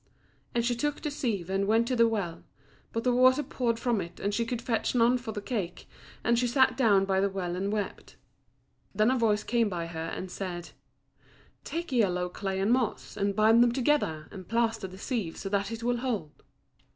And she took the sieve and went to the well; but the water poured from it, and she could fetch none for the cake, and she sat down by the well and wept. Then a voice came by her and said, "Take yellow clay and moss, and bind them together, and plaster the sieve so that it will hold."